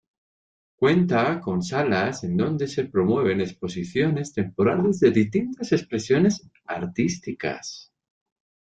Cuenta con salas en donde se promueven exposiciones temporales de distintas expresiones artísticas.